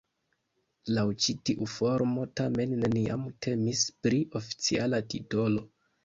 Laŭ ĉi tiu formo tamen neniam temis pri oficiala titolo.